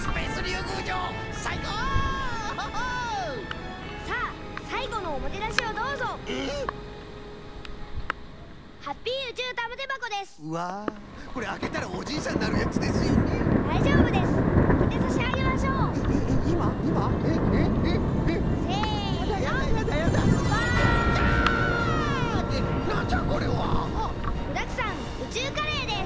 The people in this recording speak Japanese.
ぐだくさんうちゅうカレーです！